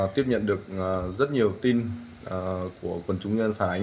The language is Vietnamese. tiếp nhận được rất nhiều tin của quần chúng dân phản ánh